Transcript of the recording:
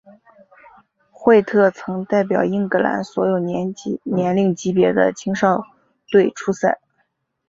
惠特曾代表英格兰所有年龄级别的青少队出赛。